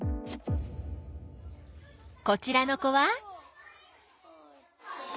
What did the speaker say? こちらの子は？